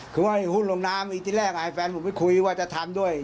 คือว่าให้หุ้นลงน้ำอีกที่แรกแฟนผมไปคุยว่าจะทำด้วย